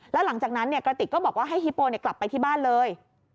แล้วหลังจากนั้นกระติกก็บอกว่าให้ฮิโปกลับไปที่บ้านเลย